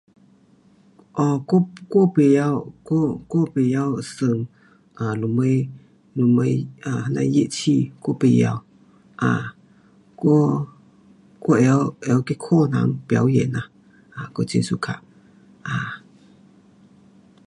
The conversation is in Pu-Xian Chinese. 哦，我，我甭晓，我，我甭晓玩 um 什么，什么 um 那乐器，我甭晓，um 我会晓，我会晓去看人表演呐，um 我很 suka[um]